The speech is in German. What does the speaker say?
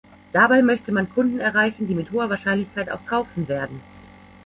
Dabei möchte man Kunden erreichen, die mit hoher Wahrscheinlichkeit auch kaufen werden.